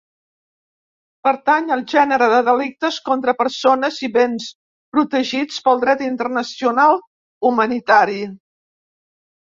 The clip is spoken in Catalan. Pertany al gènere dels delictes contra persones i béns protegits pel dret internacional humanitari.